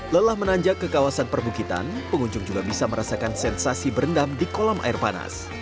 lelah menanjak ke kawasan perbukitan pengunjung juga bisa merasakan sensasi berendam di kolam air panas